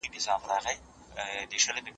هغه د اثباتي فلسفې دوره غوره بلله.